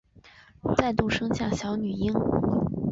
再度生下小女婴